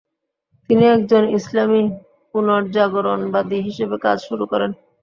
তিনি একজন ইসলামি পুনর্জাগরণবাদি হিসেবে কাজ শুরু করেন।